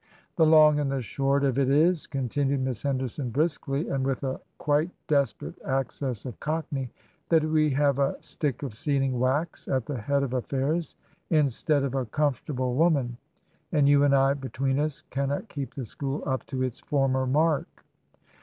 " The long and the short of it is," continued Miss Henderson briskly, and with a quite desperate access of cockney, that we have a stick of sealing wax at the head of affairs instead of a comfortable woman, and you and I between us cannot keep the school up to its former mark."